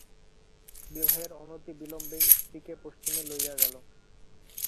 বিবাহের অনতিবিলম্বে স্ত্রীকে পশ্চিমে লইয়া গেল।